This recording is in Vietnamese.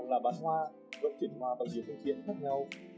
công việc chính của họ là bán hoa gọi chuyện hoa và việc công chuyện khác nhau